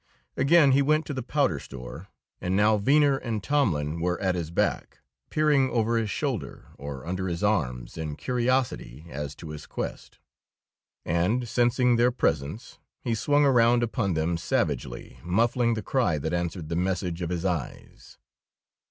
Again he went to the powder store, and now Venner and Tomlin were at his back, peering over his shoulder or under his arms in curiosity as to his quest. And, sensing their presence, he swung around upon them savagely, muffling the cry that answered the message of his eyes.